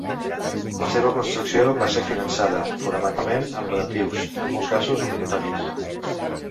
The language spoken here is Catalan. La seva construcció va ser finançada fonamentalment amb donatius, en molts casos obligatoris.